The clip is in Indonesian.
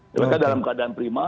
mereka dalam keadaan prima